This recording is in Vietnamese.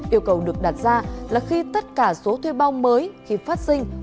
yêu cầu được đặt ra là khi tất cả số thuê bao mới khi phát sinh